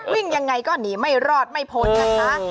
วิ่งยังไงก้อนหนีไม่รอดไม่พ้น